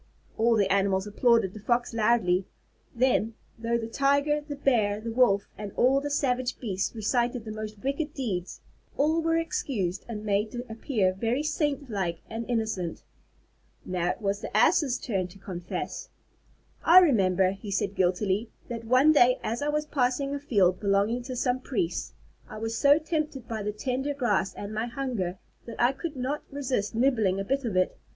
All the animals applauded the Fox loudly. Then, though the Tiger, the Bear, the Wolf, and all the savage beasts recited the most wicked deeds, all were excused and made to appear very saint like and innocent. It was now the Ass's turn to confess. "I remember," he said guiltily, "that one day as I was passing a field belonging to some priests, I was so tempted by the tender grass and my hunger, that I could not resist nibbling a bit of it.